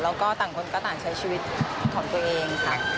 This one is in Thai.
แล้วก็ต่างคนก็ต่างใช้ชีวิตของตัวเองค่ะ